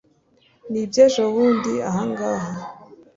ni iby'ejobundi aha ngaha